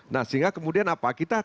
nah sehingga kemudian apa